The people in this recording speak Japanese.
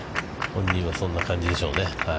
本人はそんな感じでしょうね。